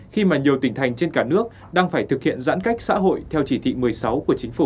khi mà nhiều tỉnh thành trên cả nước đang phải thực hiện giãn cách xã hội theo chỉ thị một mươi sáu của chính phủ